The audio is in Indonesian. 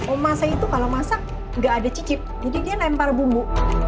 oma saya itu kalau masak nggak ada cicip jadi dia lempar bumbu